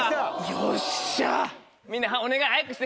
よっしゃ！